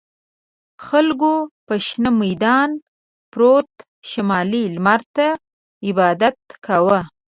خلکو په شنه میدان پروتو شمالي لمر ته عبادت کاوه.